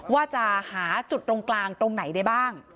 ว่าจะหาจุดตรงกลางตรงไหนได้บ้าง